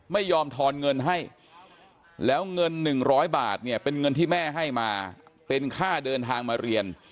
ไม่ยอมทอนเงินให้แล้วเงิน๑๐๐บาทเนี่ยเป็นเงินที่แม่ให้มาเป็นค่าเดินทางมาเรียน